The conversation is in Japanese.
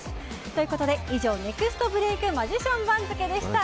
ということで、以上ネクストブレイクマジシャン番付でした。